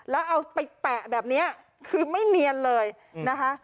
แล้วเอาไปแปะแบบนี้คือไม่เนียนเลยนะคะ